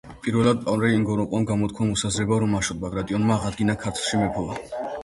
პირველად პავლე ინგოროყვამ გამოთქვა მოსაზრება, რომ აშოტ ბაგრატიონმა აღადგინა ქართლში მეფობა.